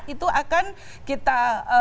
itu akan kita